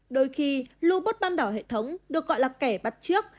đôi khi lưu bút ban đảo hệ thống được gọi là kẻ bắt trước